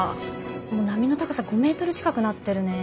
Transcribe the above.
もう波の高さ５メートル近くなってるね。